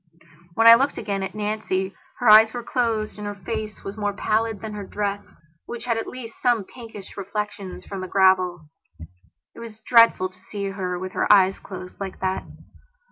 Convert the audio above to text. When I looked again at Nancy her eyes were closed and her face was more pallid than her dress, which had at least some pinkish reflections from the gravel. It was dreadful to see her with her eyes closed like that.